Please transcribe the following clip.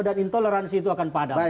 dan intoleransi itu akan padam